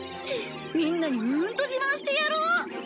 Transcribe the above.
みんなにうんと自慢してやろう！